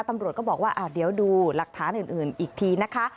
ตำรวจก็บอกว่าเดี๋ยวดูหลักฐานอื่นอีกทีนะคะ